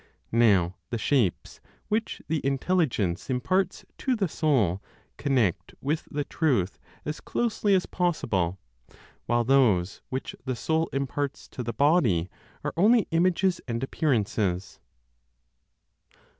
Now the (shapes) which the Intelligence imparts to the soul connect with the truth as closely as possible, while those which the soul imparts to the body are only images and appearances.